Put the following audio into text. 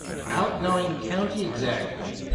Outgoing County Exec.